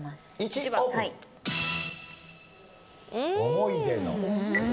「思い出の」